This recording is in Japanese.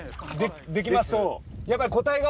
できます？